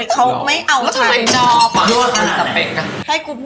เออเขาไม่เอาชั้นจบ